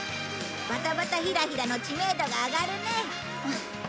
バタバタヒラヒラの知名度が上がるね。